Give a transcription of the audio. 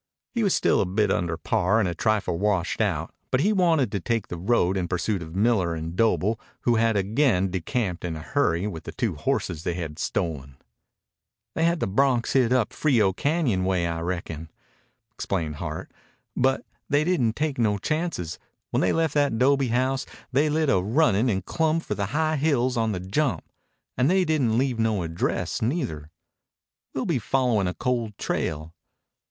He was still a bit under par, a trifle washed out, but he wanted to take the road in pursuit of Miller and Doble, who had again decamped in a hurry with the two horses they had stolen. "They had the broncs hid up Frio Cañon way, I reckon," explained Hart. "But they didn't take no chances. When they left that 'dobe house they lit a runnin' and clumb for the high hills on the jump. And they didn't leave no address neither. We'll be followin' a cold trail.